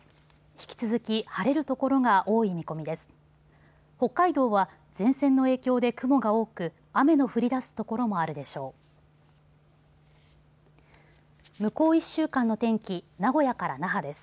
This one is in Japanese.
引き続き晴れる所が多い見込みです。